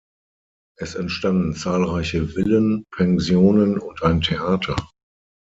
Es entstanden zahlreiche Villen, Pensionen und ein Theater.